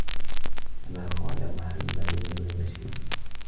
كَمَا قَالَ مُحَمَّدُ بْنُ بَشِيرٍ